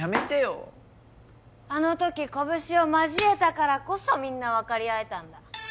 あの時拳を交えたからこそみんなわかり合えたんだ。